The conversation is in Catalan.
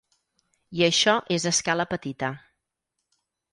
I això és a escala petita.